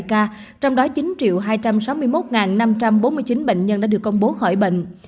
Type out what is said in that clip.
một mươi sáu trăm bốn mươi năm bảy trăm bảy mươi bảy ca trong đó chín hai trăm sáu mươi một năm trăm bốn mươi chín bệnh nhân đã được công bố khỏi bệnh